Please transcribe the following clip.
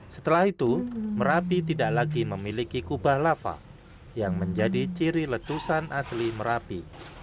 setelah itu merapi tidak lagi memiliki kubah lava yang menjadi ciri letusan asli merapi